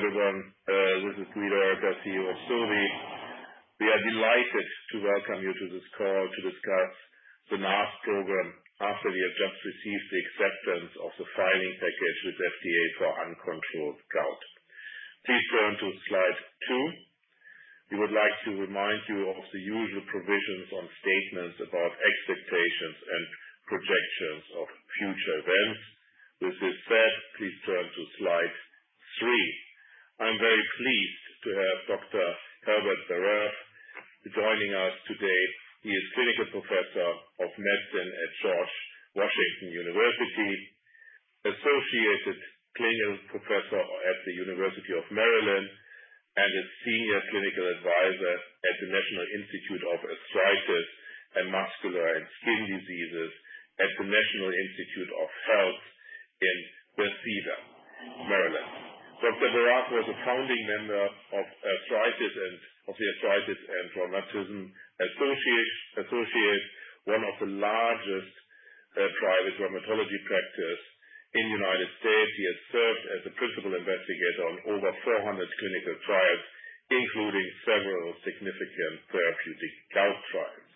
Hello everyone, this is Guido Oelkers, CEO of Sobi. We are delighted to welcome you to this call to discuss the NASP program after we have just received the acceptance of the filing package with FDA for uncontrolled gout. Please turn to slide two. We would like to remind you of the usual provisions on statements about expectations and projections of future events. With this said, please turn to slide three. I'm very pleased to have Dr. Herbert Baraf joining us today. He is Clinical Professor of Medicine at George Washington University, Associate Clinical Professor at the University of Maryland, and a Senior Clinical Advisor at the National Institute of Arthritis and Musculoskeletal and Skin Diseases at the National Institutes of Health in Bethesda, Maryland. Dr. Baraf was a founding member of Arthritis and Rheumatism Associates, one of the largest private rheumatology practices in the United States. He has served as a principal investigator on over 400 clinical trials, including several significant therapeutic gout trials.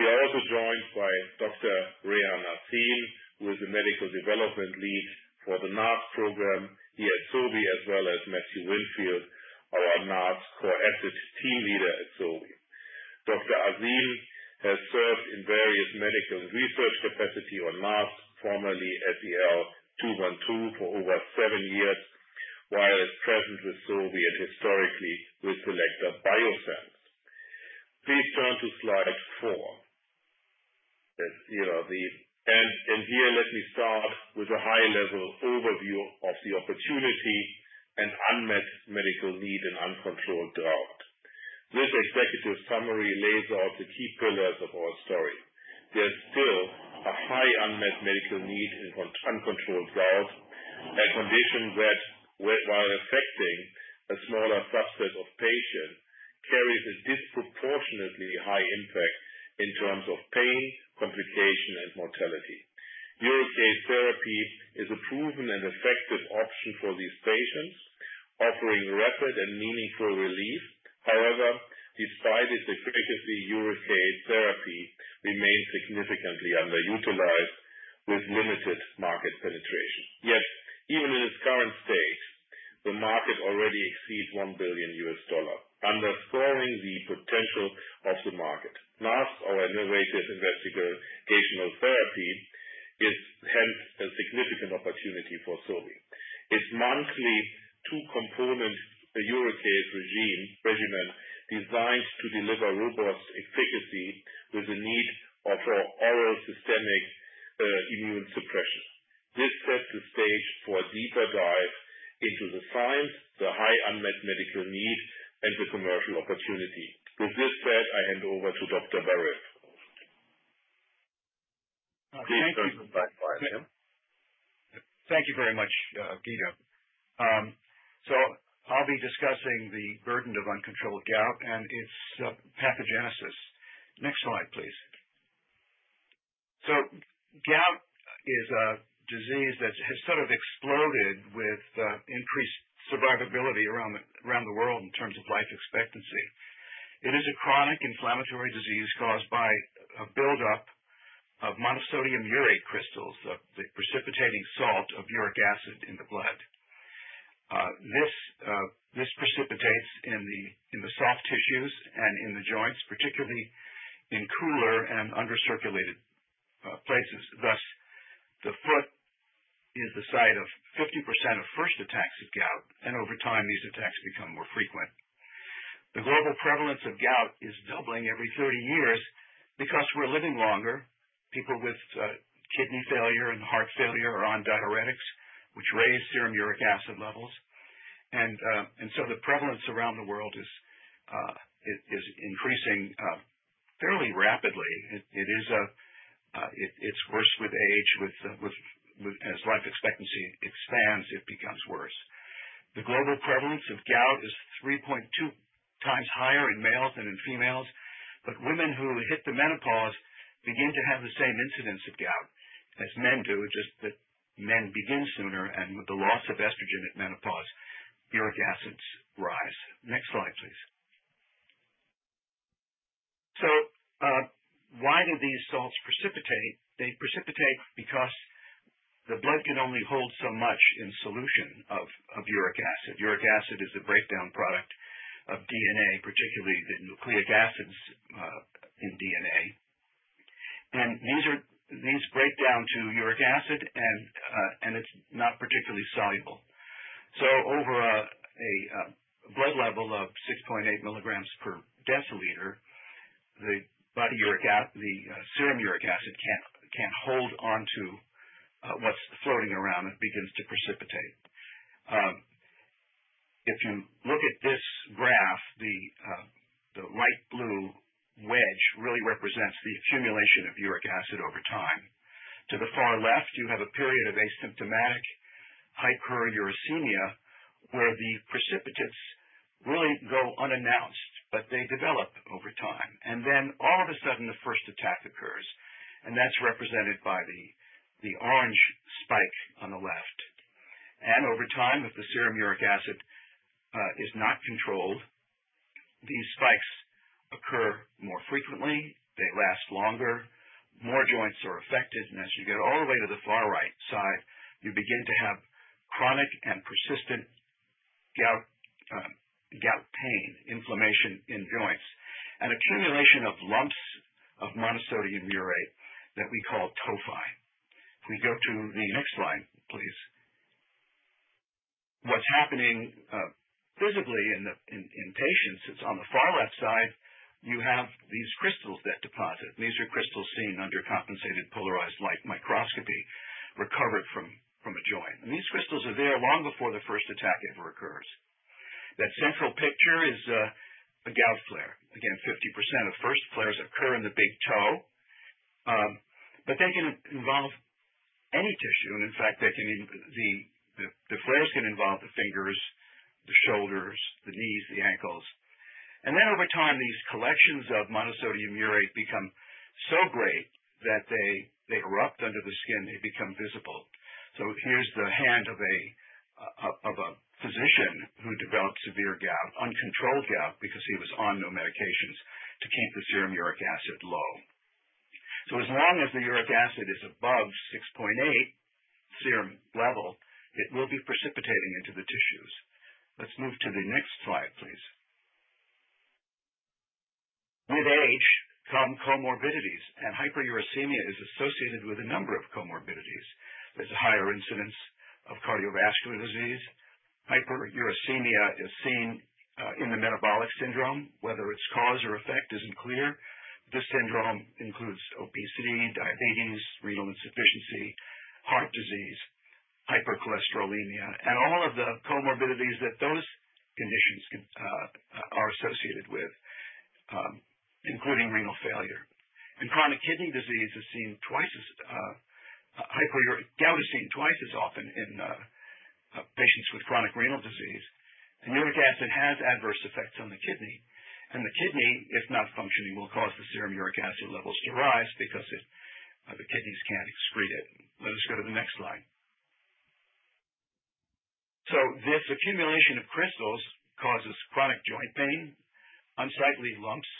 We are also joined by Dr. Rehan Azeem, who is the Medical Development Lead for the NASP program here at Sobi, as well as Matthew Winfield, our NASP Core Asset Team Leader at Sobi. Dr. Azeem has served in various medical research capacities on NASP, formerly SEL-212, for over seven years, while he's been present with Sobi and historically with Selecta Biosciences. Please turn to slide four. And here, let me start with a high-level overview of the opportunity and unmet medical need in uncontrolled gout. This executive summary lays out the key pillars of our story. There's still a high unmet medical need in uncontrolled gout, a condition that, while affecting a smaller subset of patients, carries a disproportionately high impact in terms of pain, complication, and mortality. Uricase therapy is a proven and effective option for these patients, offering rapid and meaningful relief. However, despite its efficacy, uricase therapy remains significantly underutilized with limited market penetration. Yet, even in its current state, the market already exceeds $1 billion, underscoring the potential of the market. NASP, our innovative investigational therapy, is hence a significant opportunity for Sobi. Its monthly two-component uricase regimen is designed to deliver robust efficacy with the need for oral systemic immune suppression. This sets the stage for a deeper dive into the science, the high unmet medical need, and the commercial opportunity. With this said, I hand over to Dr. Baraf. Thank you. Thank you very much, Guido, so I'll be discussing the burden of uncontrolled gout and its pathogenesis. Next slide, please, so gout is a disease that has sort of exploded with increased survivability around the world in terms of life expectancy. It is a chronic inflammatory disease caused by a buildup of monosodium urate crystals, the precipitating salt of uric acid in the blood. This precipitates in the soft tissues and in the joints, particularly in cooler and under-circulated places. Thus, the foot is the site of 50% of first attacks of gout, and over time, these attacks become more frequent. The global prevalence of gout is doubling every 30 years because we're living longer. People with kidney failure and heart failure are on diuretics, which raise serum uric acid levels, and so the prevalence around the world is increasing fairly rapidly. It's worse with age. As life expectancy expands, it becomes worse. The global prevalence of gout is 3.2x higher in males than in females, but women who hit the menopause begin to have the same incidence of gout as men do, just that men begin sooner, and with the loss of estrogen at menopause, uric acids rise. Next slide, please. So why do these salts precipitate? They precipitate because the blood can only hold so much in solution of uric acid. Uric acid is the breakdown product of DNA, particularly the nucleic acids in DNA, and these break down to uric acid, and it's not particularly soluble, so over a blood level of 6.8 mg per dL, the serum uric acid can't hold onto what's floating around. It begins to precipitate. If you look at this graph, the light blue wedge really represents the accumulation of uric acid over time. To the far left, you have a period of asymptomatic hyperuricemia where the precipitates really go unannounced, but they develop over time. And then all of a sudden, the first attack occurs, and that's represented by the orange spike on the left. And over time, if the serum uric acid is not controlled, these spikes occur more frequently. They last longer. More joints are affected. And as you get all the way to the far right side, you begin to have chronic and persistent gout pain, inflammation in joints, and accumulation of lumps of monosodium urate that we call tophi. If we go to the next slide, please. What's happening physically in patients, it's on the far left side, you have these crystals that deposit. These are crystals seen under compensated polarized light microscopy recovered from a joint. And these crystals are there long before the first attack ever occurs. That central picture is a gout flare. Again, 50% of first flares occur in the big toe, but they can involve any tissue, and in fact, the flares can involve the fingers, the shoulders, the knees, the ankles, and then over time, these collections of monosodium urate become so great that they erupt under the skin. They become visible, so here's the hand of a physician who developed severe gout, uncontrolled gout, because he was on no medications to keep the serum uric acid low, so as long as the uric acid is above 6.8 serum level, it will be precipitating into the tissues. Let's move to the next slide, please. With age come comorbidities, and hyperuricemia is associated with a number of comorbidities. There's a higher incidence of cardiovascular disease. Hyperuricemia is seen in the metabolic syndrome. Whether it's cause or effect isn't clear. This syndrome includes obesity, diabetes, renal insufficiency, heart disease, hypercholesterolemia, and all of the comorbidities that those conditions are associated with, including renal failure. And gout is seen twice as often in patients with chronic kidney disease. And uric acid has adverse effects on the kidney. And the kidney, if not functioning, will cause the serum uric acid levels to rise because the kidneys can't excrete it. Let us go to the next slide. So this accumulation of crystals causes chronic joint pain, unsightly lumps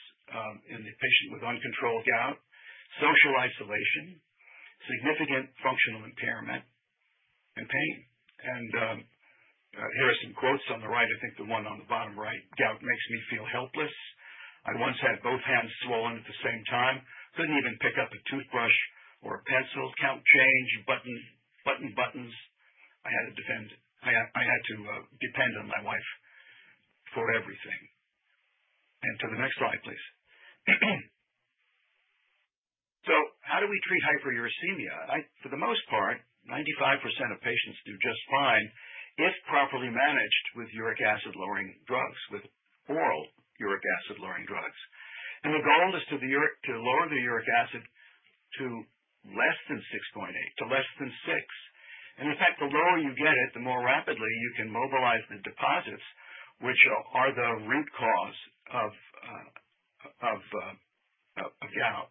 in the patient with uncontrolled gout, social isolation, significant functional impairment, and pain. And here are some quotes on the right. I think the one on the bottom right, "Gout makes me feel helpless. I once had both hands swollen at the same time. Couldn't even pick up a toothbrush or a pencil, count change, button buttons. I had to depend on my wife for everything." And to the next slide, please. How do we treat hyperuricemia? For the most part, 95% of patients do just fine if properly managed with uric acid-lowering drugs, with oral uric acid-lowering drugs. The goal is to lower the uric acid to less than 6.8, to less than 6. In fact, the lower you get it, the more rapidly you can mobilize the deposits, which are the root cause of gout.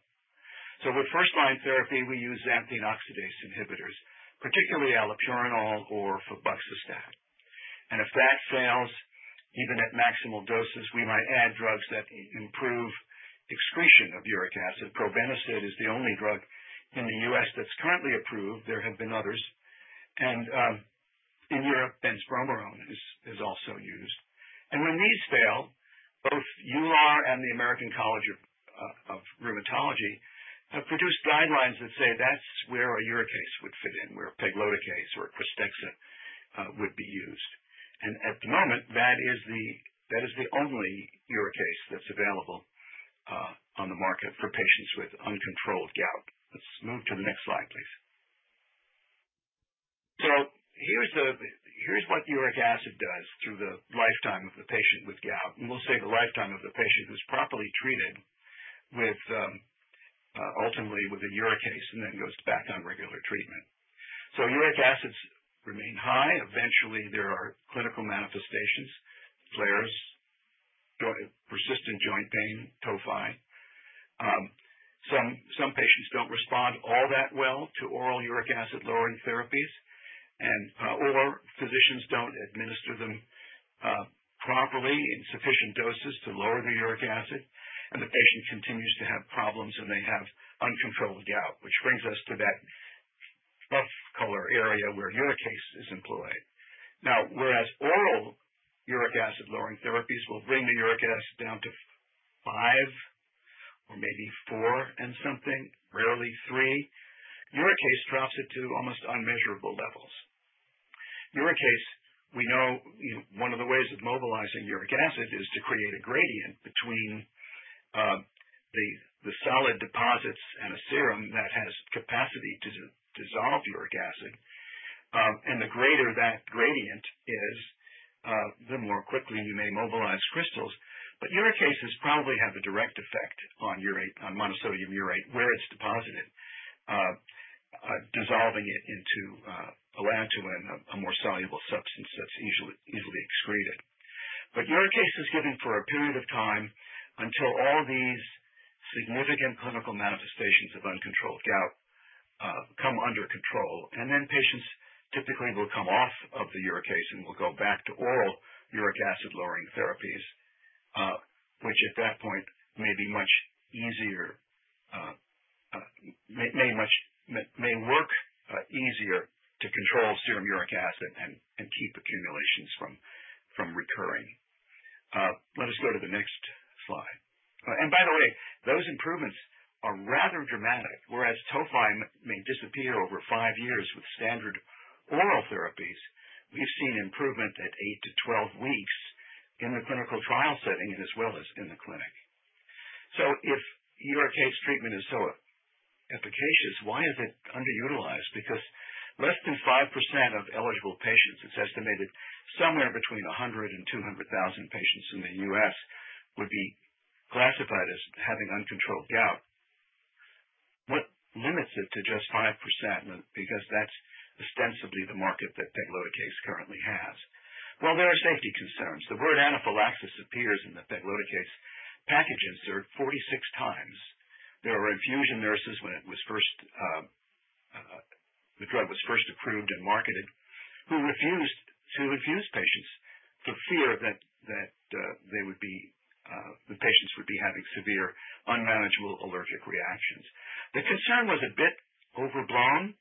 With first-line therapy, we use xanthine oxidase inhibitors, particularly allopurinol or febuxostat. If that fails, even at maximal doses, we might add drugs that improve excretion of uric acid. Probenecid is the only drug in the U.S. that's currently approved. There have been others. In Europe, benzbromarone is also used. When these fail, both EULAR and the American College of Rheumatology have produced guidelines that say that's where a uricase would fit in, where a pegloticase or Krystexxa would be used. At the moment, that is the only uricase that's available on the market for patients with uncontrolled gout. Let's move to the next slide, please. Here's what uric acid does through the lifetime of the patient with gout. We'll say the lifetime of the patient who's properly treated ultimately with a uricase and then goes back on regular treatment. Uric acid remains high. Eventually, there are clinical manifestations, flares, persistent joint pain, tophi. Some patients don't respond all that well to oral uric acid-lowering therapies, or physicians don't administer them properly in sufficient doses to lower the uric acid, and the patient continues to have problems and they have uncontrolled gout, which brings us to that rough color area where uricase is employed. Now, whereas oral uric acid-lowering therapies will bring the uric acid down to five or maybe four and something, rarely three, uricase drops it to almost unmeasurable levels. Uricase, we know, one of the ways of mobilizing uric acid is to create a gradient between the solid deposits and a serum that has capacity to dissolve uric acid, and the greater that gradient is, the more quickly you may mobilize crystals, but uricase probably has a direct effect on monosodium urate where it's deposited, dissolving it into allantoin, a more soluble substance that's easily excreted. Uricase is given for a period of time until all these significant clinical manifestations of uncontrolled gout come under control. Then patients typically will come off of the uricase and will go back to oral uric acid-lowering therapies, which at that point may be much easier, may work easier to control serum uric acid and keep accumulations from recurring. Let us go to the next slide. By the way, those improvements are rather dramatic. Whereas tophi may disappear over five years with standard oral therapies, we've seen improvement at eight to 12 weeks in the clinical trial setting and as well as in the clinic. If uricase treatment is so efficacious, why is it underutilized? Because less than 5% of eligible patients, it's estimated somewhere between 100,000 and 200,000 patients in the U.S., would be classified as having uncontrolled gout. What limits it to just 5%? Because that's ostensibly the market that pegloticase currently has. Well, there are safety concerns. The word anaphylaxis appears in the pegloticase package insert 46x. There were infusion nurses when the drug was first approved and marketed who refused to infuse patients for fear that the patients would be having severe unmanageable allergic reactions. The concern was a bit overblown.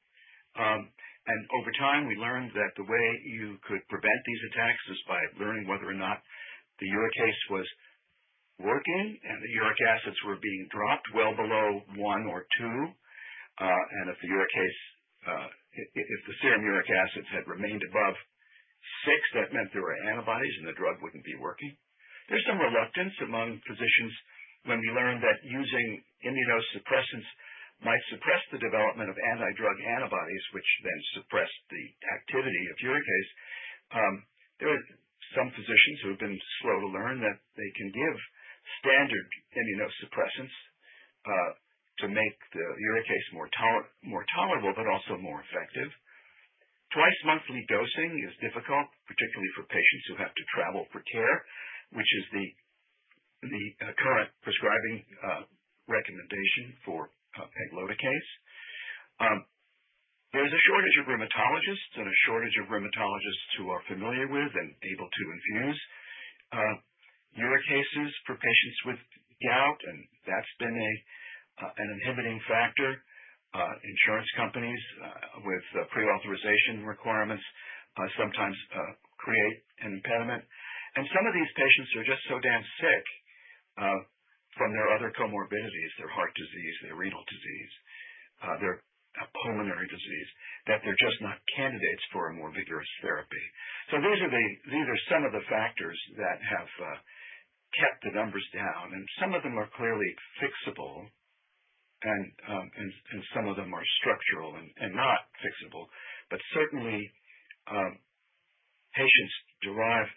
And over time, we learned that the way you could prevent these attacks is by learning whether or not the uricase was working and the uric acids were being dropped well below one or two. And if the serum uric acids had remained above six, that meant there were antibodies and the drug wouldn't be working. There's some reluctance among physicians when we learned that using immunosuppressants might suppress the development of antidrug antibodies, which then suppress the activity of uricase. There are some physicians who have been slow to learn that they can give standard immunosuppressants to make the uricase more tolerable, but also more effective. Twice-monthly dosing is difficult, particularly for patients who have to travel for care, which is the current prescribing recommendation for pegloticase. There's a shortage of rheumatologists and a shortage of rheumatologists who are familiar with and able to infuse uricases for patients with gout, and that's been an inhibiting factor. Insurance companies with prior-authorization requirements sometimes create an impediment, and some of these patients are just so damn sick from their other comorbidities, their heart disease, their renal disease, their pulmonary disease, that they're just not candidates for a more vigorous therapy, so these are some of the factors that have kept the numbers down, and some of them are clearly fixable, and some of them are structural and not fixable. But certainly, patients derive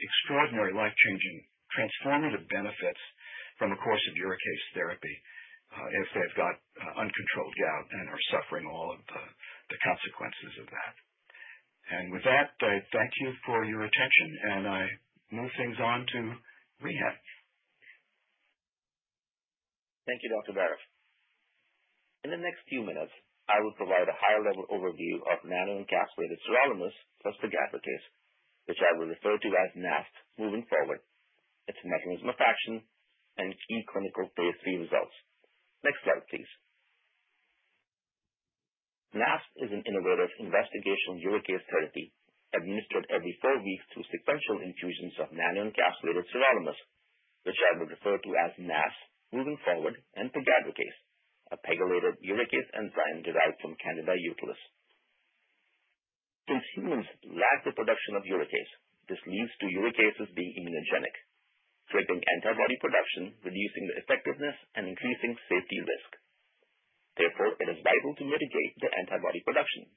extraordinary life-changing, transformative benefits from a course of uricase therapy if they've got uncontrolled gout and are suffering all of the consequences of that. And with that, I thank you for your attention, and I move things on to Rehan. Thank you, Dr. Baraf. In the next few minutes, I will provide a higher-level overview of Nanoencapsulated Sirolimus plus Pegadricase, which I will refer to as NASP moving forward, its mechanism of action, and key clinical Phase 3 results. Next slide, please. NASP is an innovative investigational uricase therapy administered every four weeks through sequential infusions of nanoencapsulated sirolimus, which I will refer to as NASP moving forward, and pegadricase, a pegylated uricase enzyme derived from Candida utilis. Since humans lack the production of uricase, this leads to uricases being immunogenic, triggering antibody production, reducing the effectiveness and increasing safety risk. Therefore, it is vital to mitigate the antibody production.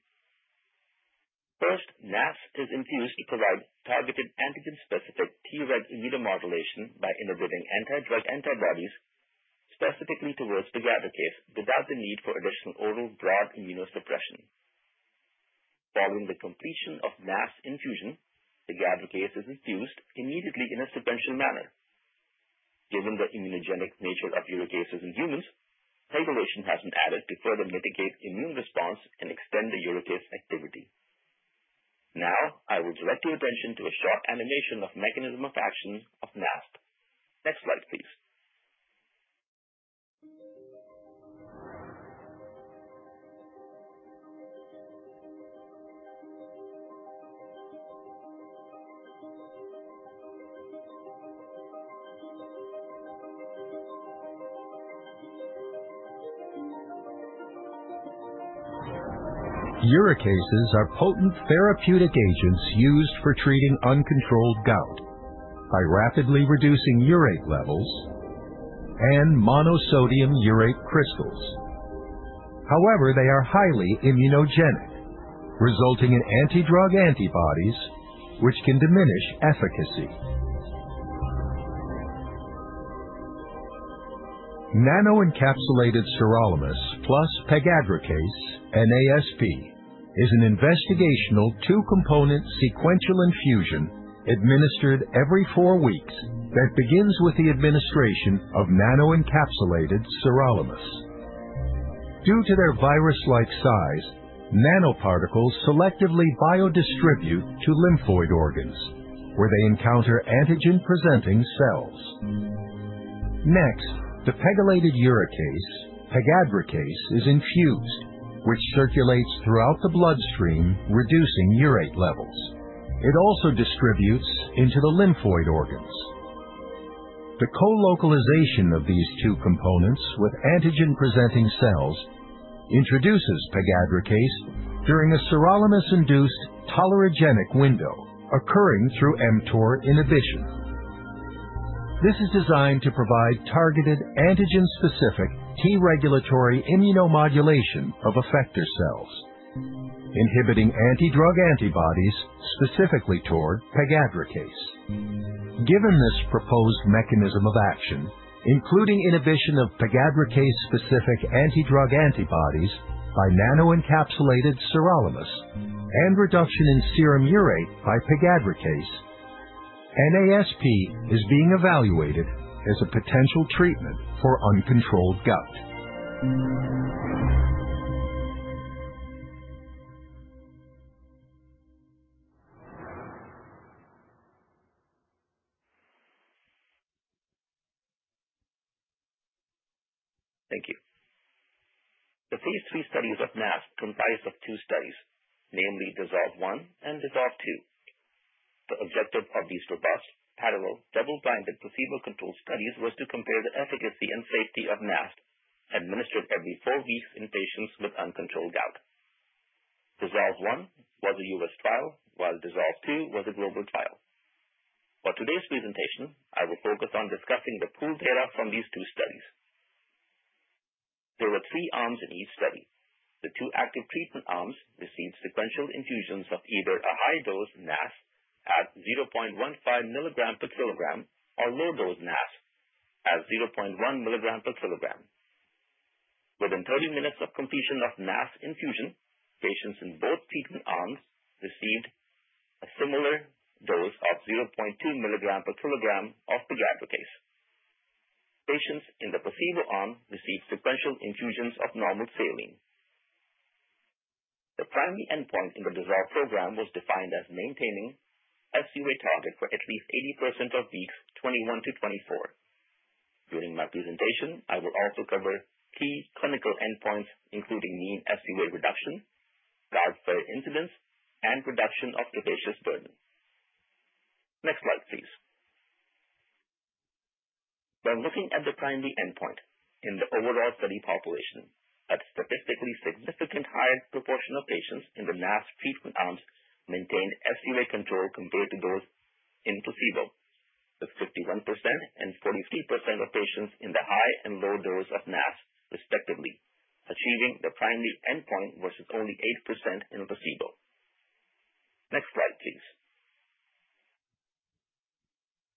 First, NASP is infused to provide targeted antigen-specific Treg immunomodulation by inhibiting anti-drug antibodies specifically towards the pegadricase without the need for additional oral broad immunosuppression. Following the completion of NASP infusion, the pegadricase is infused immediately in a sequential manner. Given the immunogenic nature of uricases in humans, pegylation has been added to further mitigate immune response and extend the uricase activity. Now, I will direct your attention to a short animation of mechanism of action of NASP. Next slide, please. Uricases are potent therapeutic agents used for treating uncontrolled gout by rapidly reducing urate levels and monosodium urate crystals. However, they are highly immunogenic, resulting in anti-drug antibodies, which can diminish efficacy. Nanoencapsulated Sirolimus plus Pegadricase, NASP, is an investigational two-component sequential infusion administered every four weeks that begins with the administration of nanoencapsulated sirolimus. Due to their virus-like size, nanoparticles selectively biodistribute to lymphoid organs where they encounter antigen-presenting cells. Next, the pegylated uricase pegadricase is infused, which circulates throughout the bloodstream, reducing urate levels. It also distributes into the lymphoid organs. The co-localization of these two components with antigen-presenting cells introduces pegadricase during a sirolimus-induced tolerogenic window occurring through mTOR inhibition. This is designed to provide targeted antigen-specific T regulatory immunomodulation of effector cells, inhibiting anti-drug antibodies specifically toward pegadricase. Given this proposed mechanism of action, including inhibition of pegadricase-specific anti-drug antibodies by nanoencapsulated sirolimus and reduction in serum urate by pegadricase, NASP is being evaluated as a potential treatment for uncontrolled gout. Thank you. The Phase 3 studies of NASP comprised of two studies, namely DISSOLVE I and DISSOLVE II. The objective of these robust, parallel, double-blinded placebo-controlled studies was to compare the efficacy and safety of NASP administered every four weeks in patients with uncontrolled gout. DISSOLVE I was a U.S. trial, while DISSOLVE II was a global trial. For today's presentation, I will focus on discussing the pooled data from these two studies. There were three arms in each study. The two active treatment arms received sequential infusions of either a high-dose NASP at 0.15 mg per kg or low-dose NASP at 0.1 mg per kg. Within 30 minutes of completion of NASP infusion, patients in both treatment arms received a similar dose of 0.2 mg per kg of pegadricase. Patients in the placebo arm received sequential infusions of normal saline. The primary endpoint in the DISSOLVE program was defined as maintaining sUA target for at least 80% of weeks 21-24. During my presentation, I will also cover key clinical endpoints, including mean sUA reduction, gout flare incidence, and reduction of tophaceous burden. Next slide, please. When looking at the primary endpoint in the overall study population, a statistically significantly higher proportion of patients in the NASP treatment arms maintained sUA control compared to those in placebo, with 51% and 43% of patients in the high and low dose of NASP, respectively, achieving the primary endpoint versus only 8% in placebo. Next slide, please.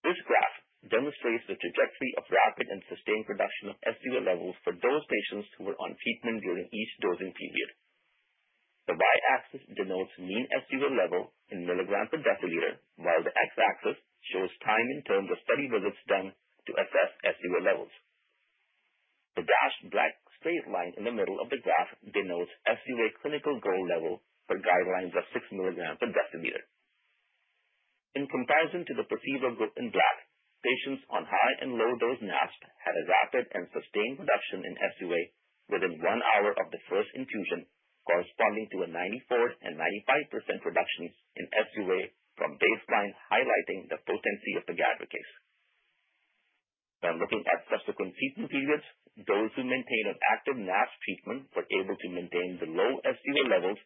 This graph demonstrates the trajectory of rapid and sustained reduction of sUA levels for those patients who were on treatment during each dosing period. The y-axis denotes mean sUA level in milligrams per deciliter, while the x-axis shows time in terms of study visits done to assess sUA levels. The dashed black straight line in the middle of the graph denotes sUA clinical goal level for guidelines of 6 milligrams per deciliter. In comparison to the placebo group in black, patients on high and low-dose NASP had a rapid and sustained reduction in sUA within one hour of the first infusion, corresponding to a 94% and 95% reductions in sUA from baseline, highlighting the potency of pegadricase. When looking at subsequent treatment periods, those who maintained an active NASP treatment were able to maintain the low sUA levels,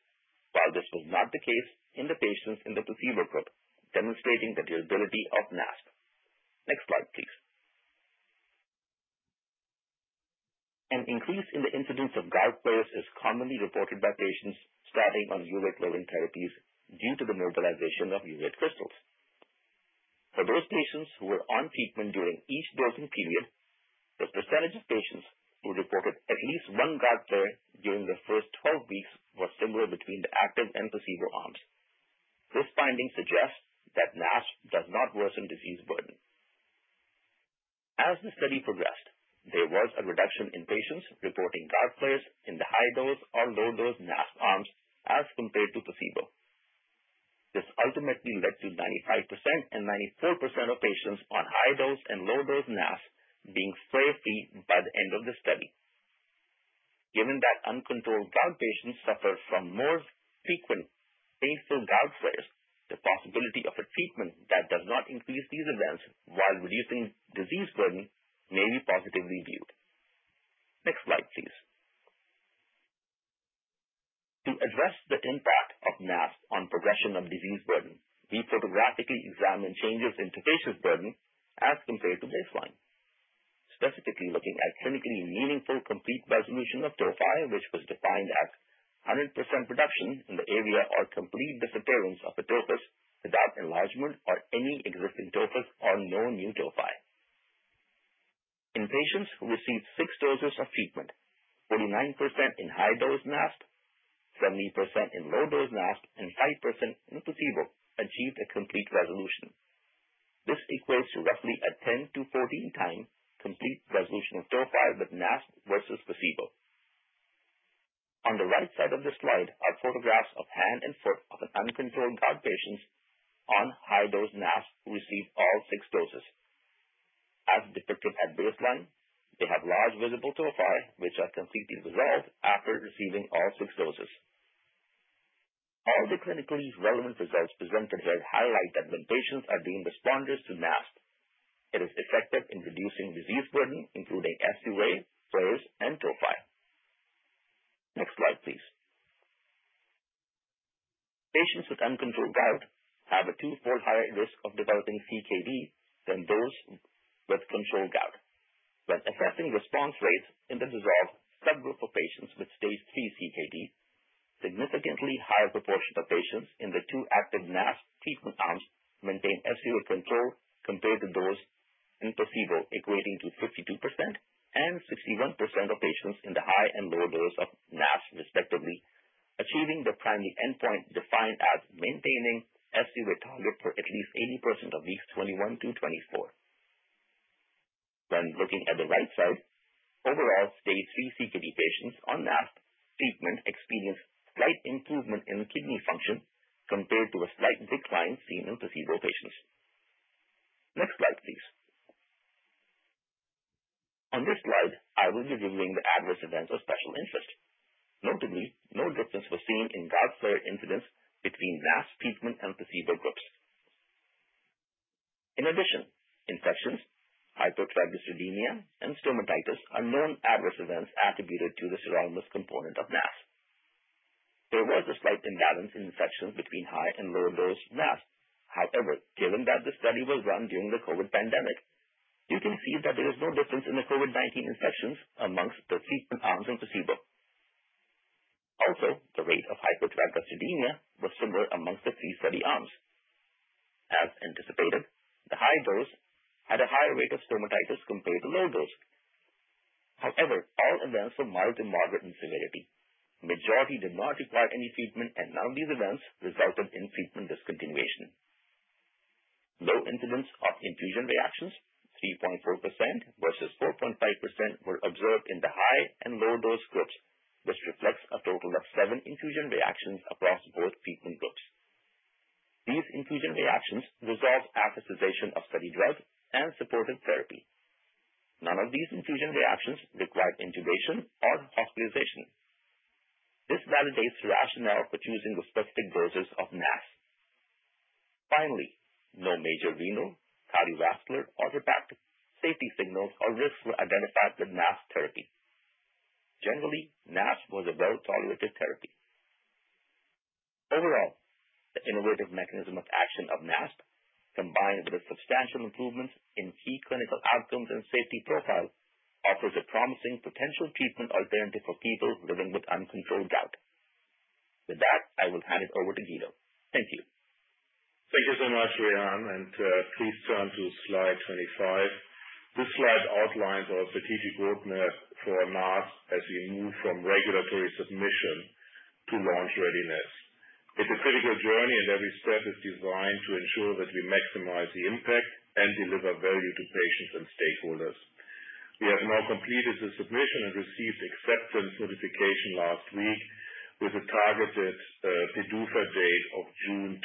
while this was not the case in the patients in the placebo group, demonstrating the durability of NASP. Next slide, please. An increase in the incidence of gout flares is commonly reported by patients starting on urate-lowering therapies due to the mobilization of urate crystals. For those patients who were on treatment during each dosing period, the percentage of patients who reported at least one gout flare during the first 12 weeks was similar between the active and placebo arms. This finding suggests that NASP does not worsen disease burden. As the study progressed, there was a reduction in patients reporting gout flares in the high-dose or low-dose NASP arms as compared to placebo. This ultimately led to 95% and 94% of patients on high-dose and low-dose NASP being flare-free by the end of the study. Given that uncontrolled gout patients suffer from more frequent, painful gout flares, the possibility of a treatment that does not increase these events while reducing disease burden may be positively viewed. Next slide, please. To address the impact of NASP on progression of disease burden, we photographically examined changes in tophaceous burden as compared to baseline, specifically looking at clinically meaningful complete resolution of tophi which was defined as 100% reduction in the area or complete disappearance of the tophus without enlargement or any existing tophus or no new tophi. In patients who received six doses of treatment, 49% in high-dose NASP, 70% in low-dose NASP, and 5% in placebo achieved a complete resolution. This equates to roughly a 10 to 14-time complete resolution of tophi with NASP versus placebo. On the right side of the slide are photographs of hand and foot of an uncontrolled gout patient on high-dose NASP who received all six doses. As depicted at baseline, they have large visible tophi which are completely resolved after receiving all six doses. All the clinically relevant results presented here highlight that when patients are being responders to NASP, it is effective in reducing disease burden, including sUA, flares, and tophi. Next slide, please. Patients with uncontrolled gout have a twofold higher risk of developing CKD than those with controlled gout. When assessing response rates in the DISSOLVE subgroup of patients with stage 3 CKD, a significantly higher proportion of patients in the two active NASP treatment arms maintain sUA control compared to those in placebo, equating to 52% and 61% of patients in the high and low dose of NASP, respectively, achieving the primary endpoint defined as maintaining sUA target for at least 80% of weeks 21 to 24. When looking at the right side, overall stage 3 CKD patients on NASP treatment experience slight improvement in kidney function compared to a slight decline seen in placebo patients. Next slide, please. On this slide, I will be reviewing the adverse events of special interest. Notably, no difference was seen in gout flare incidence between NASP treatment and placebo groups. In addition, infections, hypertriglyceridemia, and stomatitis are known adverse events attributed to the sirolimus component of NASP. There was a slight imbalance in infections between high and low-dose NASP. However, given that the study was run during the COVID pandemic, you can see that there is no difference in the COVID-19 infections among the treatment arms in placebo. Also, the rate of hypertriglyceridemia was similar among the three study arms. As anticipated, the high dose had a higher rate of stomatitis compared to low dose. However, all events were mild to moderate in severity. Majority did not require any treatment, and none of these events resulted in treatment discontinuation. Low incidence of infusion reactions, 3.4% versus 4.5%, were observed in the high and low-dose groups, which reflects a total of seven infusion reactions across both treatment groups. These infusion reactions resolved after cessation of study drug and supportive therapy. None of these infusion reactions required intubation or hospitalization. This validates the rationale for choosing the specific doses of NASP. Finally, no major renal, cardiovascular, or hepatic safety signals or risks were identified with NASP therapy. Generally, NASP was a well-tolerated therapy. Overall, the innovative mechanism of action of NASP, combined with substantial improvements in key clinical outcomes and safety profile, offers a promising potential treatment alternative for people living with uncontrolled gout. With that, I will hand it over to Guido. Thank you. Thank you so much, Rehan. And please turn to slide 25. This slide outlines our strategic roadmap for NASP as we move from regulatory submission to launch readiness. It's a critical journey, and every step is designed to ensure that we maximize the impact and deliver value to patients and stakeholders. We have now completed the submission and received acceptance notification last week with a targeted PDUFA date of June 2026.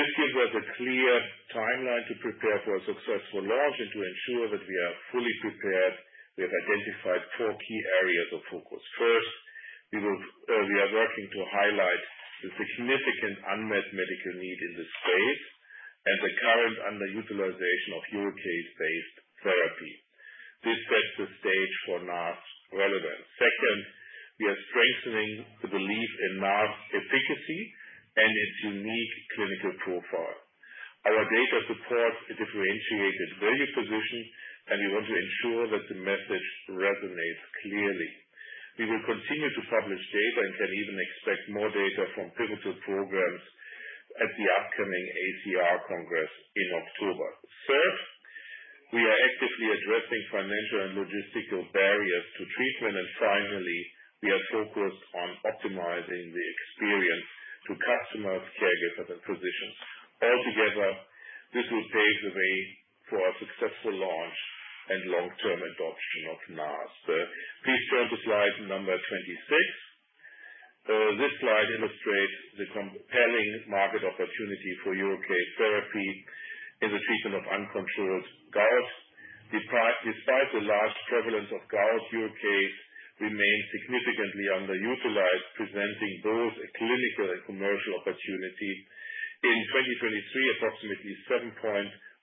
This gives us a clear timeline to prepare for a successful launch and to ensure that we are fully prepared. We have identified four key areas of focus. First, we are working to highlight the significant unmet medical need in this space and the current underutilization of uricase-based therapy. This sets the stage for NASP relevance. Second, we are strengthening the belief in NASP efficacy and its unique clinical profile. Our data supports a differentiated value position, and we want to ensure that the message resonates clearly. We will continue to publish data and can even expect more data from pivotal programs at the upcoming ACR Congress in October. Third, we are actively addressing financial and logistical barriers to treatment. And finally, we are focused on optimizing the experience to customers, caregivers, and physicians. Altogether, this will pave the way for a successful launch and long-term adoption of NASP. Please turn to slide number 26. This slide illustrates the compelling market opportunity for uricase therapy in the treatment of uncontrolled gout. Despite the large prevalence of gout, uricase remains significantly underutilized, presenting both a clinical and commercial opportunity. In 2023, approximately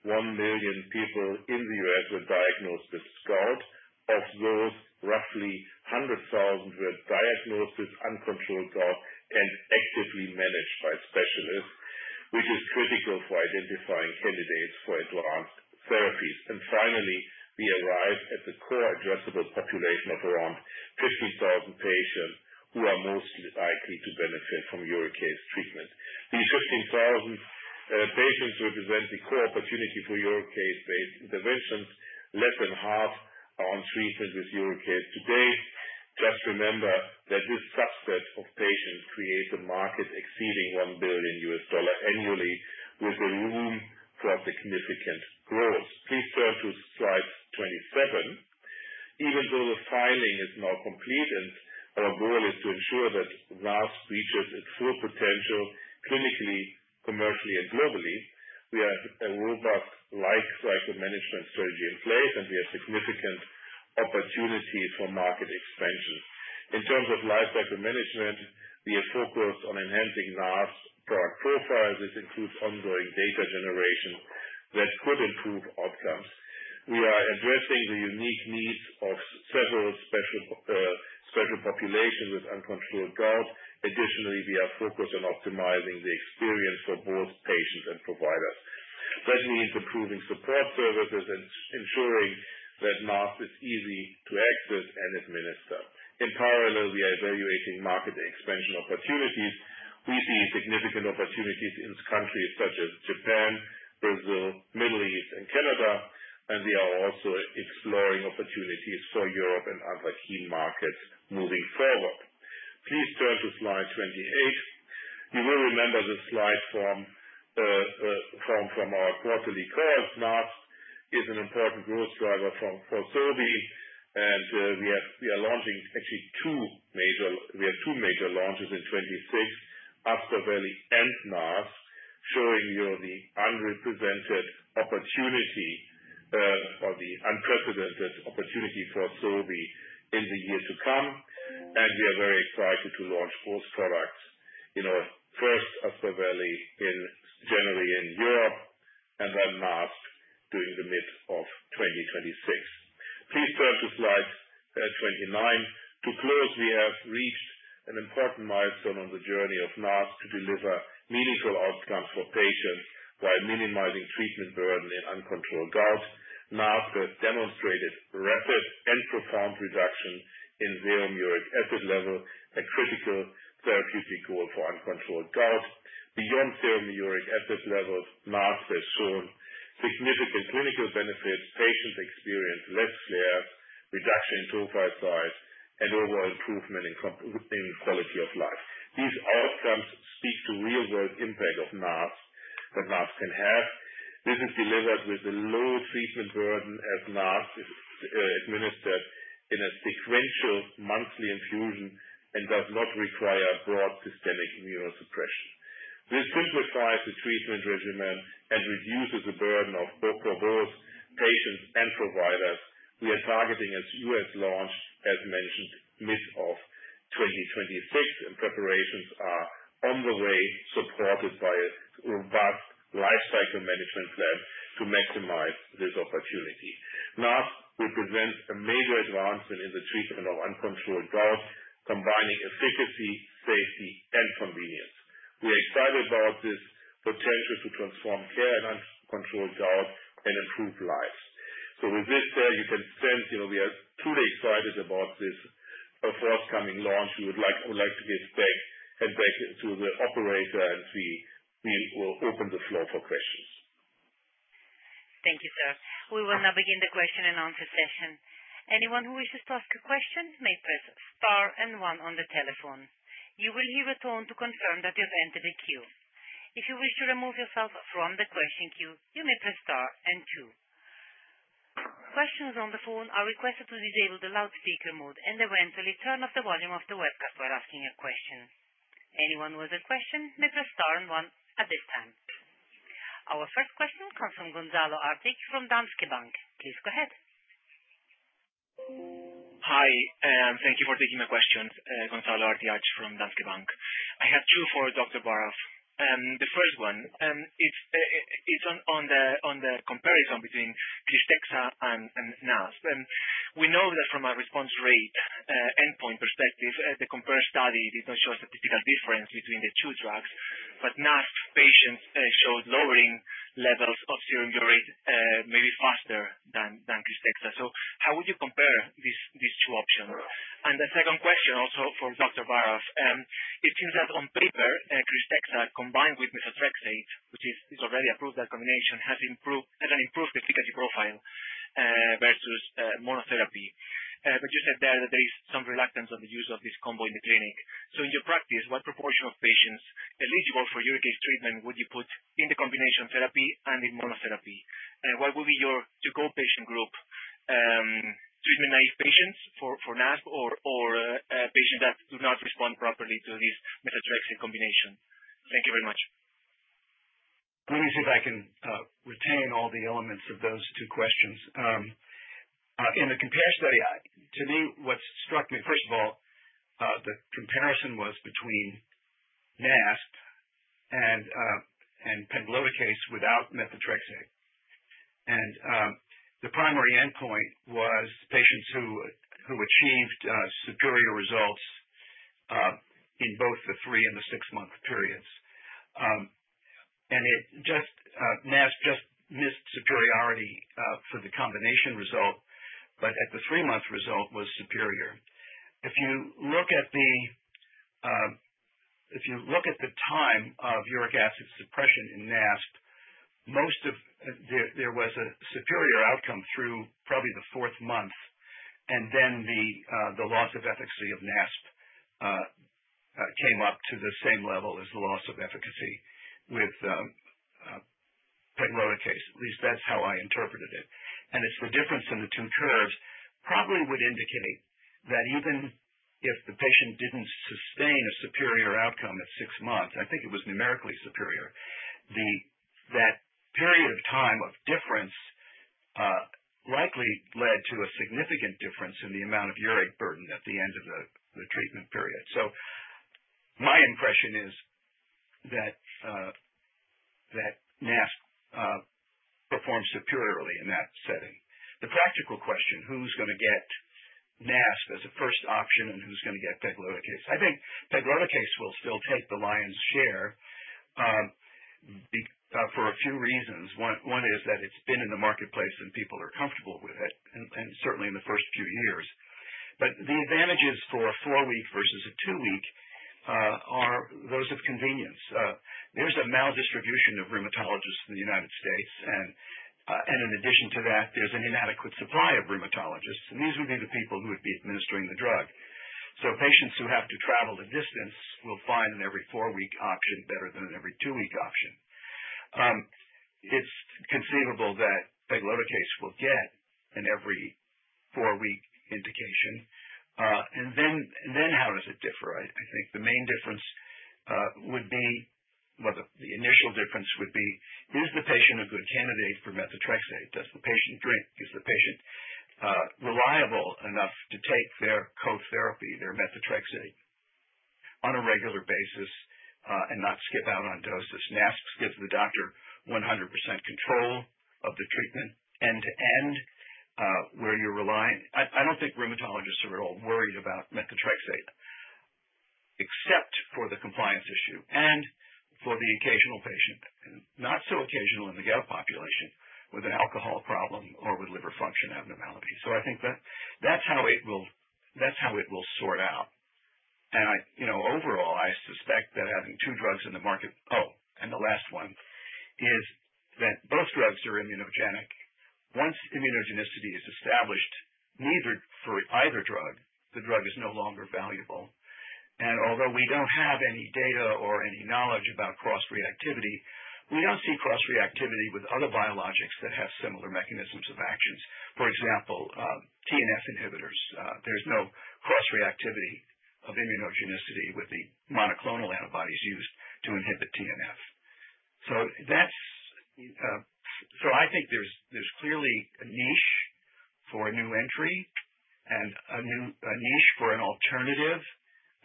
7.1 million people in the U.S. were diagnosed with gout. Of those, roughly 100,000 were diagnosed with uncontrolled gout and actively managed by specialists, which is critical for identifying candidates for advanced therapies. And finally, we arrive at the core addressable population of around 15,000 patients who are most likely to benefit from uricase treatment. These 15,000 patients represent the core opportunity for uricase-based interventions. Less than half are on treatment with uricase today. Just remember that this subset of patients creates a market exceeding $1 billion annually, with room for significant growth. Please turn to slide 27. Even though the filing is now complete and our goal is to ensure that NASP reaches its full potential clinically, commercially, and globally, we have a robust lifecycle management strategy in place, and we have significant opportunities for market expansion. In terms of lifecycle management, we are focused on enhancing NASP product profiles. This includes ongoing data generation that could improve outcomes. We are addressing the unique needs of several special populations with uncontrolled gout. Additionally, we are focused on optimizing the experience for both patients and providers. That means improving support services and ensuring that NASP is easy to access and administer. In parallel, we are evaluating market expansion opportunities. We see significant opportunities in countries such as Japan, Brazil, the Middle East, and Canada, and we are also exploring opportunities for Europe and other key markets moving forward. Please turn to slide 28. You will remember the slide form from our quarterly calls. NASP is an important growth driver for Sobi, and we are launching actually two major, we have two major launches in 2026: Aspaveli and NASP, showing you the unrepresented opportunity or the unprecedented opportunity for Sobi in the year to come. We are very excited to launch both products: first, Aspaveli in January in Europe, and then NASP during the mid of 2026. Please turn to slide 29. To close, we have reached an important milestone on the journey of NASP to deliver meaningful outcomes for patients while minimizing treatment burden in uncontrolled gout. NASP has demonstrated rapid and profound reduction in serum uric acid level, a critical therapeutic goal for uncontrolled gout. Beyond serum uric acid levels, NASP has shown significant clinical benefits. Patients experience less flares, reduction in tophi size, and overall improvement in quality of life. These outcomes speak to the real-world impact of NASP that NASP can have. This is delivered with a low treatment burden as NASP is administered in a sequential monthly infusion and does not require broad systemic immunosuppression. This simplifies the treatment regimen and reduces the burden for both patients and providers. We are targeting a U.S. launch, as mentioned, mid of 2026, and preparations are on the way, supported by a robust lifecycle management plan to maximize this opportunity. NASP represents a major advancement in the treatment of uncontrolled gout, combining efficacy, safety, and convenience. We are excited about this potential to transform care in uncontrolled gout and improve lives. So with this there, you can sense we are truly excited about this forthcoming launch. We would like to give back to the operator, and we will open the floor for questions. Thank you, sir. We will now begin the question-and-answer session. Anyone who wishes to ask a question may press star and one on the telephone. You will hear a tone to confirm that you have entered the queue. If you wish to remove yourself from the question queue, you may press star and two. Questions on the phone are requested to disable the loudspeaker mode and eventually turn off the volume of the webcast while asking a question. Anyone who has a question may press star and one at this time. Our first question comes from Gonzalo Artiach from Danske Bank. Please go ahead. Hi, and thank you for taking my question, Gonzalo Artiach from Danske Bank. I have two for Dr. Baraf. The first one is on the comparison between Krystexxa and NASP. We know that from a response rate endpoint perspective, the compared study did not show a statistical difference between the two drugs, but NASP patients showed lowering levels of serum urate maybe faster than Krystexxa. So how would you compare these two options? And the second question also for Dr. Baraf, it seems that on paper, Krystexxa combined with methotrexate, which is already approved, that combination hasn't improved the efficacy profile versus monotherapy. But you said there that there is some reluctance on the use of this combo in the clinic. In your practice, what proportion of patients eligible for uricase treatment would you put in the combination therapy and in monotherapy? What would be your go-to patient group, treatment-naive patients for NASP or patients that do not respond properly to this methotrexate combination? Thank you very much. Let me see if I can repeat all the elements of those two questions. In the comparative study, to me, what struck me, first of all, the comparison was between NASP and pegloticase without methotrexate. The primary endpoint was patients who achieved superior results in both the three- and six-month periods. NASP just missed superiority for the combination result, but at the three-month result was superior. If you look at the time of uric acid suppression in NASP, there was a superior outcome through probably the fourth month, and then the loss of efficacy of NASP came up to the same level as the loss of efficacy with pegloticase. At least that's how I interpreted it, and it's the difference in the two curves that probably would indicate that even if the patient didn't sustain a superior outcome at six months, I think it was numerically superior, that period of time of difference likely led to a significant difference in the amount of urate burden at the end of the treatment period, so my impression is that NASP performed superiorly in that setting. The practical question, who's going to get NASP as a first option and who's going to get pegloticase? I think pegloticase will still take the lion's share for a few reasons. One is that it's been in the marketplace and people are comfortable with it, and certainly in the first few years. But the advantages for a four-week versus a two-week are those of convenience. There's a maldistribution of rheumatologists in the United States, and in addition to that, there's an inadequate supply of rheumatologists. And these would be the people who would be administering the drug. So patients who have to travel a distance will find an every four-week option better than an every two-week option. It's conceivable that pegloticase will get an every four-week indication. And then how does it differ? I think the main difference would be, well, the initial difference would be, is the patient a good candidate for methotrexate? Does the patient drink? Is the patient reliable enough to take their co-therapy, their methotrexate, on a regular basis and not skip out on doses? NASP gives the doctor 100% control of the treatment end-to-end where you're relying. I don't think rheumatologists are at all worried about methotrexate, except for the compliance issue and for the occasional patient, not so occasional in the gout population with an alcohol problem or with liver function abnormalities, so I think that's how it will sort out, and overall, I suspect that having two drugs in the market (oh, and the last one) is that both drugs are immunogenic. Once immunogenicity is established, neither for either drug, the drug is no longer valuable, and although we don't have any data or any knowledge about cross-reactivity, we don't see cross-reactivity with other biologics that have similar mechanisms of actions. For example, TNF inhibitors. There's no cross-reactivity of immunogenicity with the monoclonal antibodies used to inhibit TNF. So I think there's clearly a niche for a new entry and a niche for an alternative,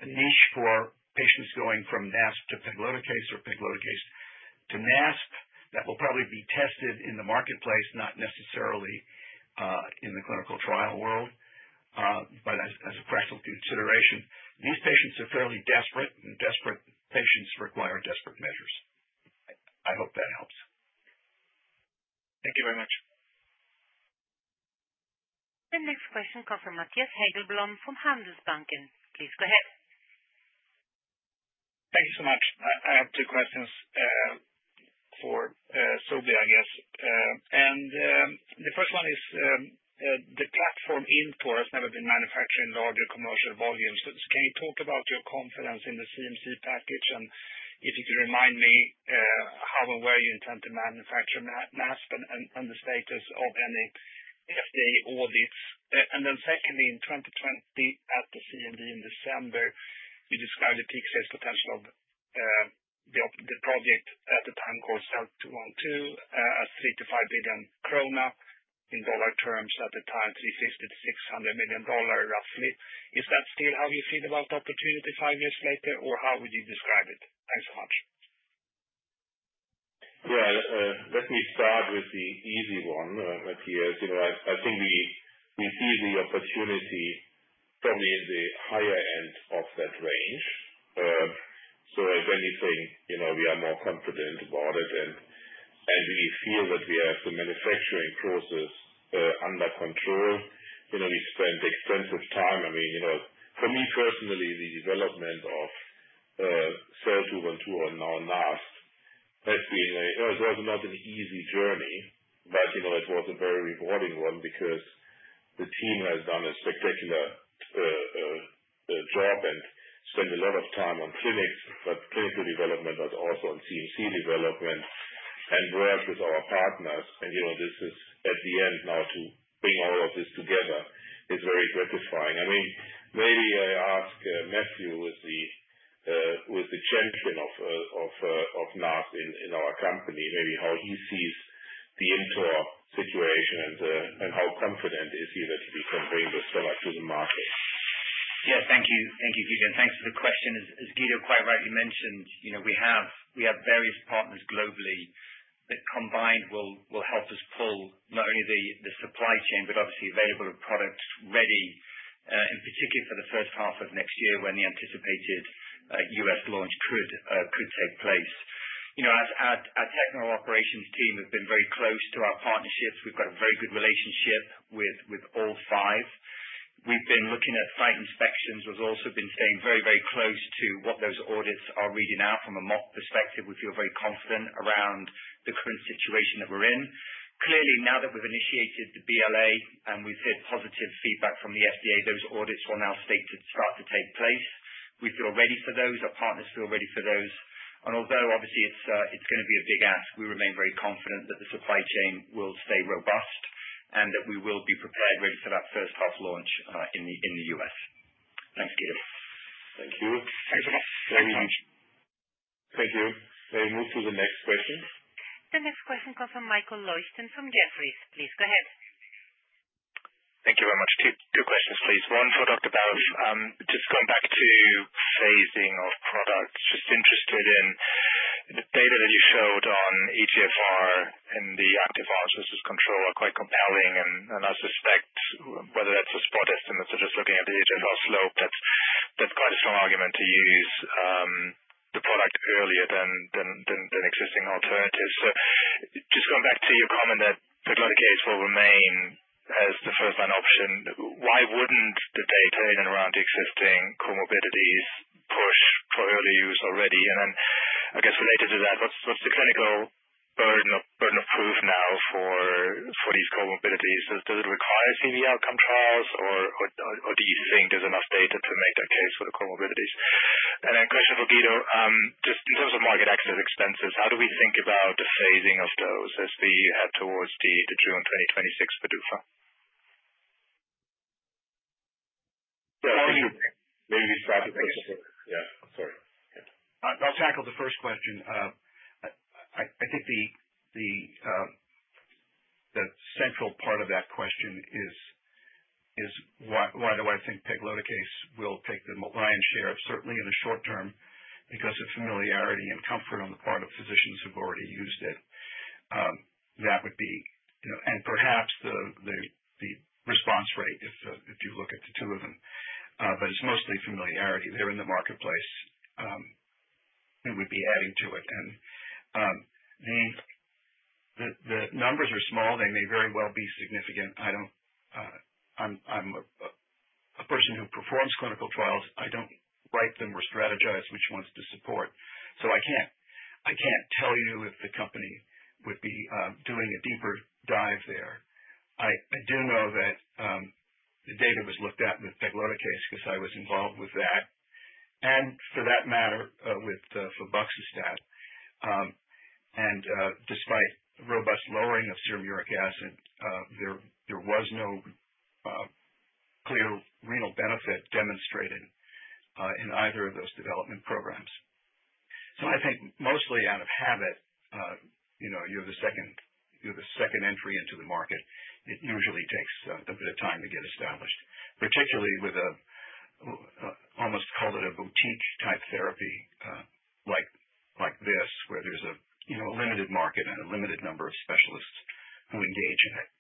a niche for patients going from NASP to pegloticase or pegloticase to NASP that will probably be tested in the marketplace, not necessarily in the clinical trial world, but as a practical consideration. These patients are fairly desperate, and desperate patients require desperate measures. I hope that helps. Thank you very much. The next question comes from Mattias Häggblom from Handelsbanken. Please go ahead. Thank you so much. I have two questions for Sobi, I guess. And the first one is the platform input has never been manufactured in larger commercial volumes. Can you talk about your confidence in the CMC package and if you could remind me how and where you intend to manufacture NASP and the status of any FDA audits? And then secondly, in 2020 at the CMV in December, you described the peak sales potential of the project at the time called SEL-212 as 3 billion-5 billion krona in dollar terms at the time, $350 million-$600 million roughly. Is that still how you feel about the opportunity five years later, or how would you describe it? Thanks so much. Yeah. Let me start with the easy one, Mattias. I think we see the opportunity probably in the higher end of that range. So if anything, we are more confident about it, and we feel that we have the manufacturing process under control. We spent extensive time. I mean, for me personally, the development of SEL-212 and now NASP has been. It was not an easy journey, but it was a very rewarding one because the team has done a spectacular job and spent a lot of time on clinics, but clinical development, but also on CMC development and worked with our partners. And this is at the end now to bring all of this together is very gratifying. I mean, maybe I ask Matthew who is the champion of NASP in our company, maybe how he sees the end-of-year situation and how confident is he that we can bring this product to the market. Yeah. Thank you, Guido, and thanks for the question. As Guido quite rightly mentioned, we have various partners globally that combined will help us pull not only the supply chain but obviously available products ready, in particular for the first half of next year when the anticipated U.S. launch could take place. Our technical operations team has been very close to our partnerships. We've got a very good relationship with all five. We've been looking at site inspections. We've also been staying very, very close to what those audits are reading out. From a mock perspective, we feel very confident around the current situation that we're in. Clearly, now that we've initiated the BLA and we've heard positive feedback from the FDA, those audits will now start to take place. We feel ready for those. Our partners feel ready for those. Although obviously it's going to be a big ask, we remain very confident that the supply chain will stay robust and that we will be prepared, ready for that first-half launch in the U.S. Thanks, Guido. Thank you. Thank you so much. Very much. Thank you. May we move to the next question? The next question comes from Michael Leuchten from Jefferies. Please go ahead. Thank you very much. Two questions, please. One for Dr. Baraf. Just going back to phasing of products, just interested in the data that you showed on eGFR and the active versus control are quite compelling. I suspect whether that's a spot estimate or just looking at the eGFR slope, that's quite a strong argument to use the product earlier than existing alternatives. Just going back to your comment that pegloticase will remain as the first-line option, why wouldn't the data in and around the existing comorbidities push for early use already? And then I guess related to that, what's the clinical burden of proof now for these comorbidities? Does it require CV outcome trials, or do you think there's enough data to make that case for the comorbidities? And then question for Guido, just in terms of market access expenses, how do we think about the phasing of those as we head towards the June 2026 PDUFA? Yeah. Maybe we start with the first question. Yeah. Sorry. I'll tackle the first question. I think the central part of that question is why do I think pegloticase will take the lion's share? Certainly in the short term because of familiarity and comfort on the part of physicians who've already used it. That would be, and perhaps the response rate if you look at the two of them. But it's mostly familiarity. They're in the marketplace. Who would be adding to it? And the numbers are small. They may very well be significant. I'm a person who performs clinical trials. I don't write them or strategize which ones to support. So I can't tell you if the company would be doing a deeper dive there. I do know that the data was looked at with pegloticase because I was involved with that, and for that matter with febuxostat. And despite robust lowering of serum uric acid, there was no clear renal benefit demonstrated in either of those development programs. So I think mostly out of habit, you're the second entry into the market. It usually takes a bit of time to get established, particularly with a, almost called it a boutique-type therapy like this where there's a limited market and a limited number of specialists who engage in it.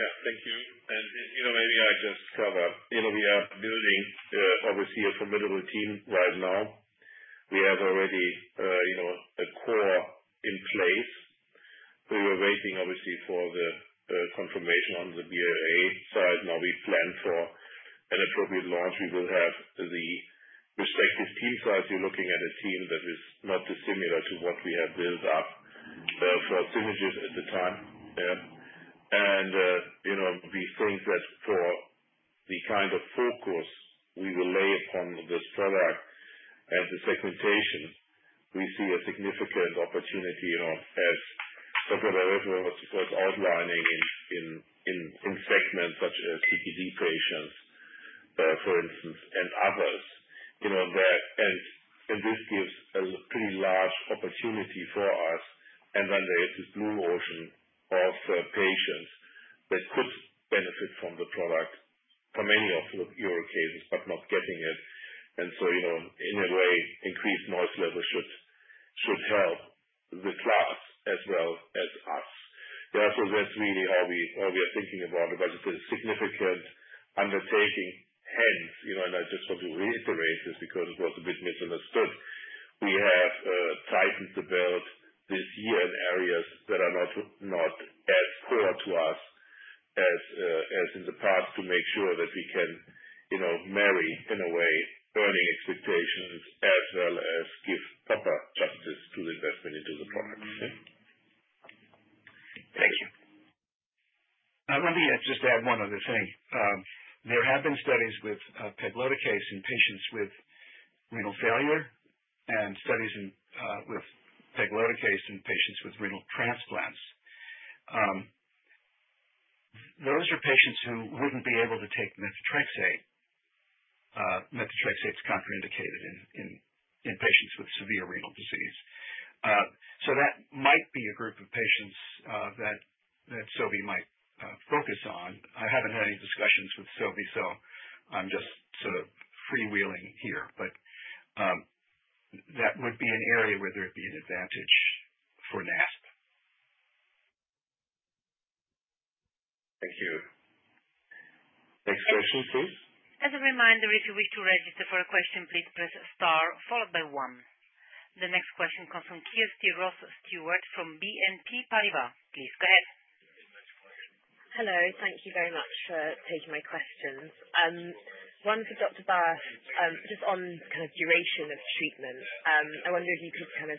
Yeah. Thank you. And maybe I just cover, we are building obviously a formidable team right now. We have already a core in place. We were waiting obviously for the confirmation on the BLA side. Now we plan for an appropriate launch. We will have the respective team size. You're looking at a team that is not dissimilar to what we have built up for Synagis at the time. And we think that for the kind of focus we will lay upon this product and the segmentation, we see a significant opportunity as Dr. Baraf was outlining in segments such as CKD patients, for instance, and others. And this gives a pretty large opportunity for us. Then there is this blue ocean of patients that could benefit from the product for many of the uricase cases but not getting it. In a way, increased noise level should help the class as well as us. Yeah. That's really how we are thinking about it. It's a significant undertaking. Hence, I just want to reiterate this because it was a bit misunderstood. We have tightened the belt this year in areas that are not as core to us as in the past to make sure that we can meet in a way earnings expectations as well as give proper justice to the investment into the product. Thank you. I want to just add one other thing. There have been studies with pegloticase in patients with renal failure and studies with pegloticase in patients with renal transplants. Those are patients who wouldn't be able to take methotrexate. Methotrexate's contraindicated in patients with severe renal disease. So that might be a group of patients that Sobi might focus on. I haven't had any discussions with Sobi, so I'm just sort of freewheeling here. But that would be an area where there'd be an advantage for NASP. Thank you. Next question, please. As a reminder, if you wish to register for a question, please press star followed by one. The next question comes from Kirsty Ross-Stewart from BNP Paribas. Please go ahead. Hello. Thank you very much for taking my questions. One for Dr. Baraf, just on kind of duration of treatment, I wonder if you could kind of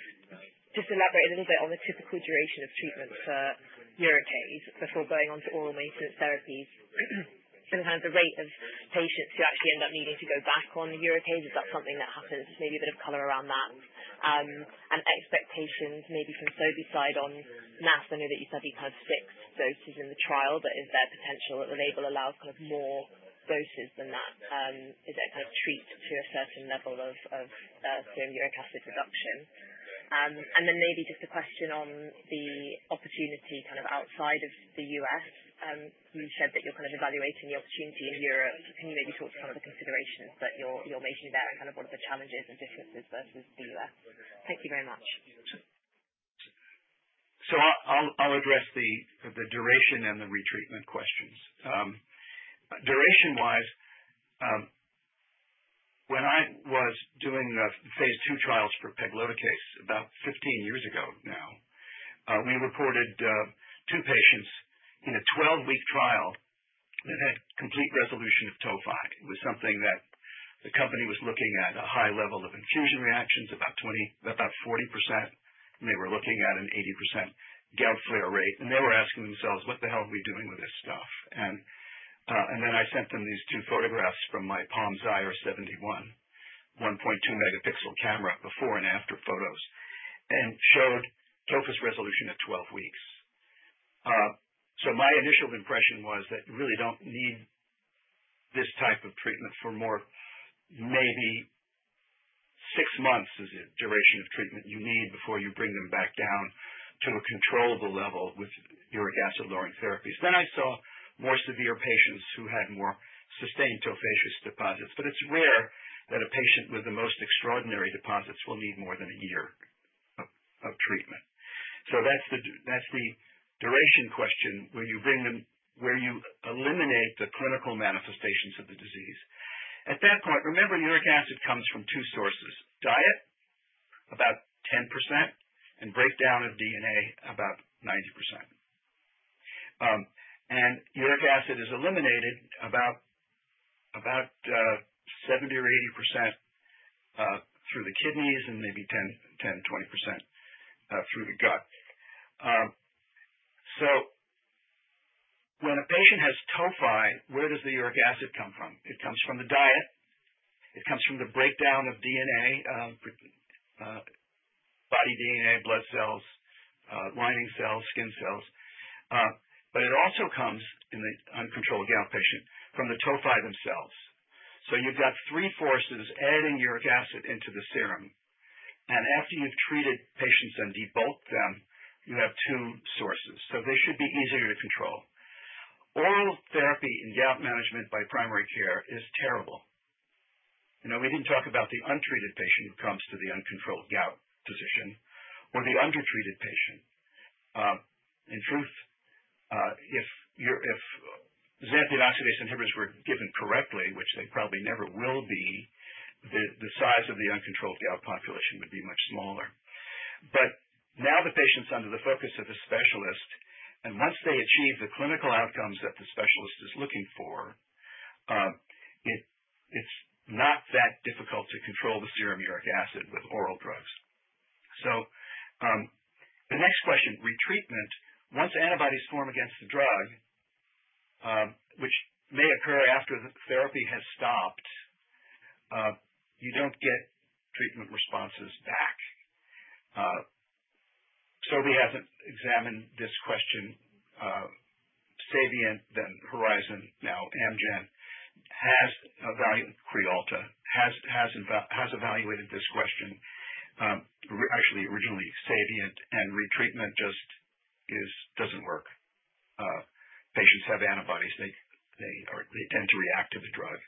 just elaborate a little bit on the typical duration of treatment for uricase before going on to oral maintenance therapies and kind of the rate of patients who actually end up needing to go back on the uricase? Is that something that happens? Maybe a bit of color around that. And expectations maybe from Sobi's side on NASP, I know that you said you kind of fixed doses in the trial, but is there potential that the label allows kind of more doses than that? Is it kind of treat to a certain level of serum uric acid reduction? And then maybe just a question on the opportunity kind of outside of the U.S. You said that you're kind of evaluating the opportunity in Europe. Can you maybe talk to some of the considerations that you're making there and kind of what are the challenges and differences versus the U.S.? Thank you very much. So I'll address the duration and the retreatment questions. Duration-wise, when I was doing phase 2 trials for pegloticase about 15 years ago now, we reported two patients in a 12-week trial that had complete resolution of tophi. It was something that the company was looking at a high level of infusion reactions, about 40%, and they were looking at an 80% gout flare rate. And they were asking themselves, "What the hell are we doing with this stuff?" And then I sent them these two photographs from my Palm Zire 71, 1.2-megapixel camera before and after photos and showed tophi resolution at 12 weeks. My initial impression was that you really don't need this type of treatment for more. Maybe six months is the duration of treatment you need before you bring them back down to a controllable level with uric acid lowering therapies. Then I saw more severe patients who had more sustained tophaceous deposits. But it's rare that a patient with the most extraordinary deposits will need more than a year of treatment. So that's the duration question where you eliminate the clinical manifestations of the disease. At that point, remember, uric acid comes from two sources: diet, about 10%, and breakdown of DNA, about 90%. And uric acid is eliminated about 70% or 80% through the kidneys and maybe 10%-20% through the gut. So when a patient has tophi, where does the uric acid come from? It comes from the diet. It comes from the breakdown of DNA, body DNA, blood cells, lining cells, skin cells, but it also comes in the uncontrolled gout patient from the tophi themselves. So you've got three forces adding uric acid into the serum, and after you've treated patients and debulked them, you have two sources, so they should be easier to control. Oral therapy in gout management by primary care is terrible. We didn't talk about the untreated patient who comes to the uncontrolled gout physician or the undertreated patient. In truth, if xanthine oxidase inhibitors were given correctly, which they probably never will be, the size of the uncontrolled gout population would be much smaller, but now the patient's under the focus of the specialist, and once they achieve the clinical outcomes that the specialist is looking for, it's not that difficult to control the serum uric acid with oral drugs. So the next question, retreatment, once antibodies form against the drug, which may occur after the therapy has stopped, you don't get treatment responses back. Sobi hasn't examined this question. Savient then Horizon, now Amgen, has evaluated this question. Actually, originally, Savient and retreatment just doesn't work. Patients have antibodies. They tend to react to the drug.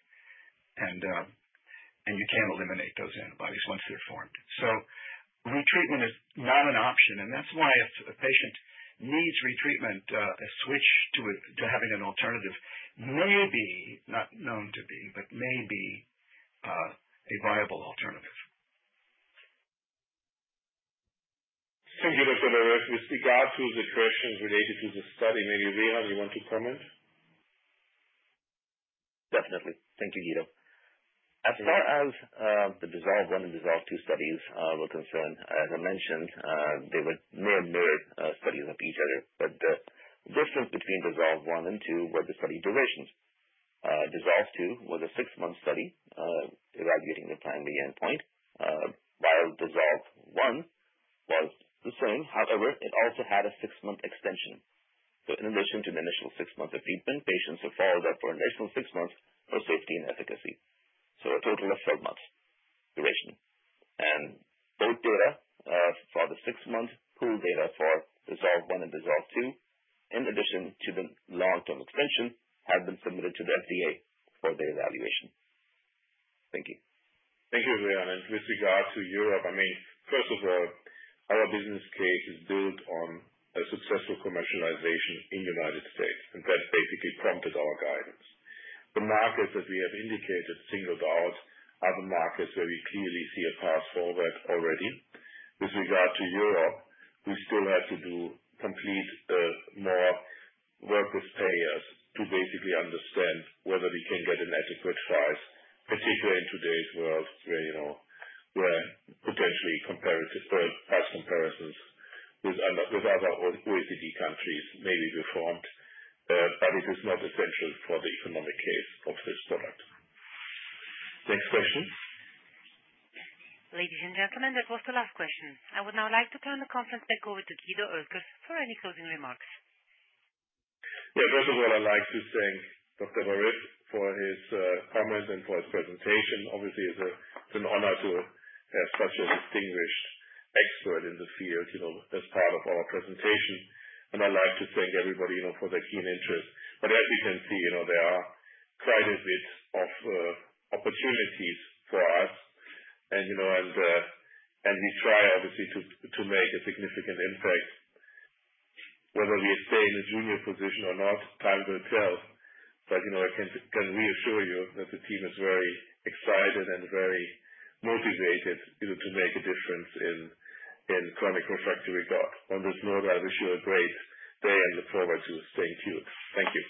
And you can't eliminate those antibodies once they're formed. So retreatment is not an option. And that's why if a patient needs retreatment, a switch to having an alternative may be not known to be, but may be a viable alternative. Thank you, Dr. Baraf. With regard to the questions related to the study, maybe Rehan, you want to comment? Definitely. Thank you, Guido. As far as the DISSOLVE I and DISSOLVE II studies were concerned, as I mentioned, they were mirror studies of each other. But the difference between DISSOLVE I and DISSOLVE II were the study durations. DISSOLVE II was a six-month study evaluating the primary endpoint, while DISSOLVE I was the same. However, it also had a six-month extension. So in addition to the initial six months of treatment, patients are followed up for an additional six months for safety and efficacy. So a total of 12 months duration. And both data for the six-month pooled data for DISSOLVE I and DISSOLVE II, in addition to the long-term extension, have been submitted to the FDA for their evaluation. Thank you. Thank you, Rehan. And with regard to Europe, I mean, first of all, our business case is built on a successful commercialization in the United States. And that basically prompted our guidance. The markets that we have indicated, singled out, are the markets where we clearly see a path forward already. With regard to Europe, we still have to do some more work with payers to basically understand whether we can get an adequate price, particularly in today's world where potentially price comparisons with other OECD countries may be performed. But it is not essential for the economic case of this product. Next question. Ladies and gentlemen, that was the last question. I would now like to turn the conference back over to Guido Oelkers for any closing remarks. Yeah. First of all, I'd like to thank Dr. Baraf for his comments and for his presentation. Obviously, it's an honor to have such a distinguished expert in the field as part of our presentation. And I'd like to thank everybody for their keen interest. But as you can see, there are quite a bit of opportunities for us. And we try, obviously, to make a significant impact. Whether we stay in a junior position or not, time will tell. But I can reassure you that the team is very excited and very motivated to make a difference in chronic refractory gout. On this note, I wish you a great day and look forward to staying tuned. Thank you.